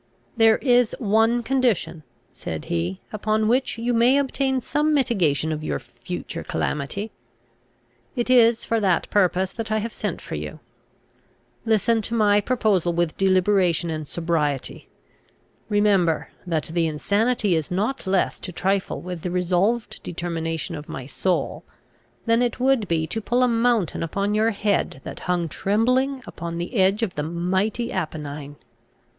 "There is one condition," said he, "upon which you may obtain some mitigation of your future calamity. It is for that purpose that I have sent for you. Listen to my proposal with deliberation and sobriety. Remember, that the insanity is not less to trifle with the resolved determination of my soul, than it would be to pull a mountain upon your head that hung trembling upon the edge of the mighty Apennine!